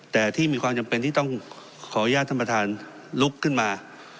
แต่ที่มีความจำเป็นที่ต้องขออนุญาตท่านประธานลุกขึ้นมา